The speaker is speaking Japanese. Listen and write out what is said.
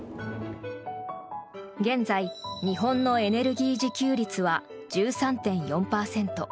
現在、日本のエネルギー自給率は１３．４％。